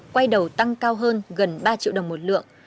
quay đầu tăng cao hơn gần ba triệu đồng một lượng